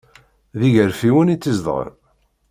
D igarfiwen i tt-izedɣen.